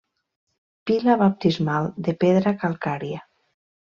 Pila baptismal de pedra calcària.